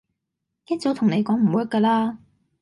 一早同你講唔 work 㗎啦